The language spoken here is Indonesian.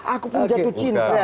aku pun jatuh cinta